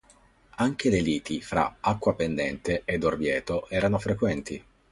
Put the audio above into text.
Anche le liti fra Acquapendente ed Orvieto erano frequenti.